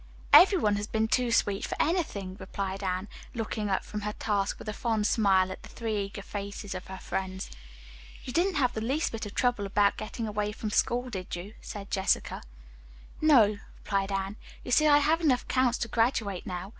"Everyone has been too sweet for anything," replied Anne, looking up from her task with a fond smile at the three eager faces of her friends. "You didn't have the least bit of trouble about getting away from school, did you?" asked Jessica. "No," replied Anne. "You see, I have enough counts to graduate now.